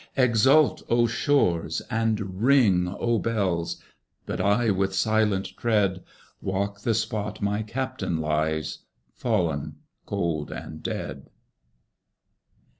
Exult, O shores! and ring, O bells! But I, with silent tread, Walk the spot my Captain lies, Fallen cold and dead.